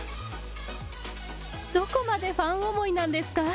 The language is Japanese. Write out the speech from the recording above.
どこまでファン思いなんですか。